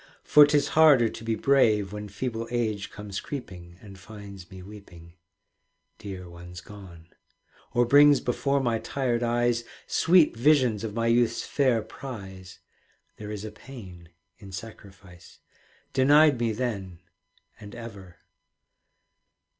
For 'tis harder to be brave When feeble age comes creeping, And finds me weeping (Dear ones gone), Or brings before my tired eyes Sweet visions of my youth's fair prize (There is a pain in sacrifice), Denied me then and ever.